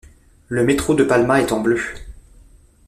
Le métro de Palma est en bleu.